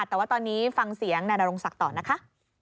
แต่ว่าตอนนี้ฟังเสียงนายนรงศักดิ์ต่อนะคะ